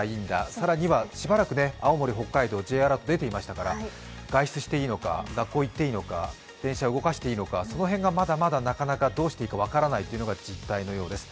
更にはしばらく、青森・北海道Ｊアラート出ていましたから、外出していいのか、学校に行っていいのか、電車、動かしていいのか、その辺がまだまだ、なかなかどうしていいか分からないというのが実態のようです。